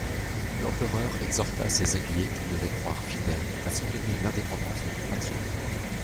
L'empereur exhorta ces alliés, qu'il devait croire fidèles, à soutenir l'indépendance de leur patrie.